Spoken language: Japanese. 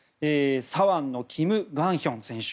左腕のキム・グァンヒョン選手